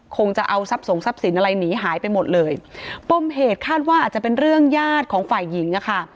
คงจะเอาทรัพย์ส่งทรัพย์สินอะไรหนีหายไปหมดเลยป้มเหตุคาดว่าอาจจะเป็นเรื่องญาติของฝ่ายหญิงอะค่ะ